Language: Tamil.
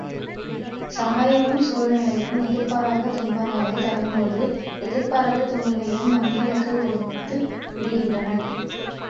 சமயமும் சூழ்நிலையும் எதிர்பாராத துன்பங்களைத் தரும்போது, எதிர்பாராத துணிவையும் மனிதனுக்குக் கொடுத்து விடுகின்றன.